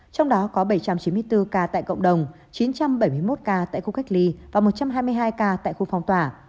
trong đó có bảy trăm chín mươi bốn ca tại cộng đồng chín trăm bảy mươi một ca tại khu cách ly và một trăm hai mươi hai ca tại khu phong tỏa